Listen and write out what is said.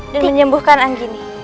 dan menyembuhkan anggini